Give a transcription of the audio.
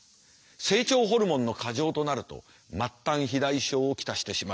成長ホルモンの過剰となると末端肥大症を来してしまう。